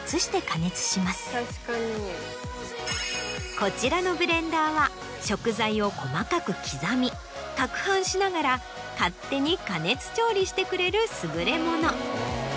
こちらのブレンダーは食材を細かく刻みかく拌しながら勝手に加熱調理してくれる優れもの。